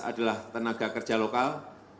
adalah tenaga kerja lokal